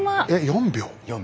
４秒。